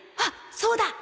そうだ